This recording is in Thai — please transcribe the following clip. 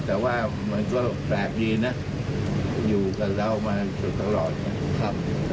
แต่ว่ามันก็แปลกดีนะอยู่กับเรามาอยู่ตลอดนะครับ